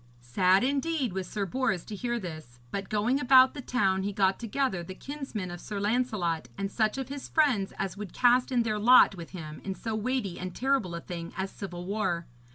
Sad indeed was Sir Bors to hear this; but, going about the town, he got together the kinsmen of Sir Lancelot and such of his friends as would cast in their lot with him in so weighty and terrible a thing as civil war.